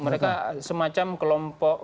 mereka semacam kelompok